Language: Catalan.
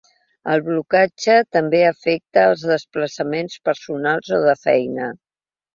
El blocatge també afecta els desplaçaments personals o de feina.